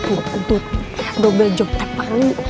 untuk dobel joktet perlu